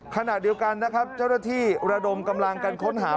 ขณะเดียวกันนะครับเจ้าหน้าที่ระดมกำลังกันค้นหา